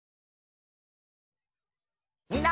みんな！